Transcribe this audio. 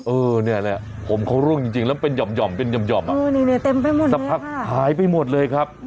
ดูเนี่ยผมเขาร่วงจริงแล้วเป็นหย่อมหายไปหมดเลยครับ